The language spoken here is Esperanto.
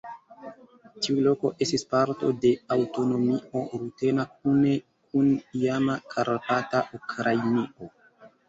Tiu loko estis parto de aŭtonomio rutena kune kun iama Karpata Ukrainio.